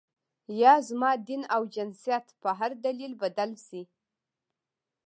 یا زما دین او جنسیت په هر دلیل بدل شي.